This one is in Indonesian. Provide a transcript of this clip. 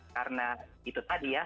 karena itu tadi ya